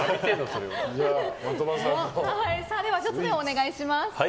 では１つ目をお願いします。